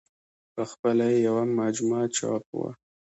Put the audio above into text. په خپله یې یوه مجموعه چاپ وه.